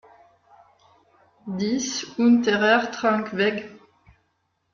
dix unterer Traenk Weg